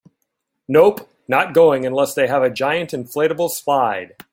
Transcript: Nope, not going unless they have a giant inflatable slide.